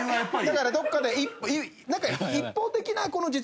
だからどこかで一方的な実力で。